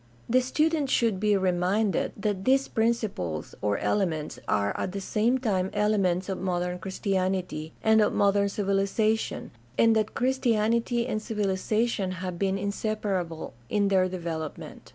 The student should be reminded that these principles or elements are at the same time elements of modern Christianity and of modern civilization, and that Christianity and civiliza tion have been inseparable in their development.